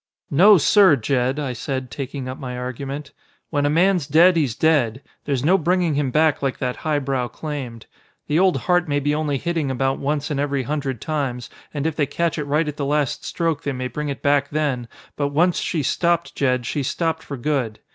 "No sir, Jed!" I said, taking up my argument. "When a man's dead, he's dead! There's no bringing him back like that highbrow claimed. The old heart may be only hitting about once in every hundred times, and if they catch it right at the last stroke they may bring it back then, but once she's stopped, Jed, she's stopped for good.